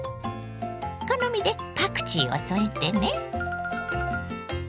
好みでパクチーを添えてね。